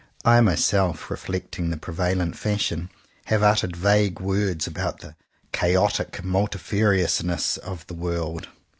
I myself, reflecting the pre valent fashion, have uttered vague words about the ''chaotic multifariousness" of the world.